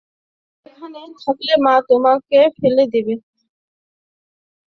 তুমি এখানে থাকলে মা তোমাকে ফেলে দিবে।